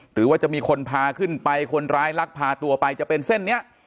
หรือว่าจะมีคนพาขึ้นไปคนร้ายลักพาตัวไปจะเป็นเส้นนี้